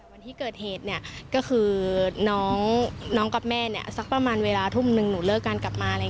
วันที่เกิดเหตุเนี่ยก็คือน้องกับแม่เนี่ยสักประมาณเวลาทุ่มนึงหนูเลิกกันกลับมา